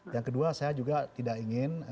yang kedua saya juga tidak ingin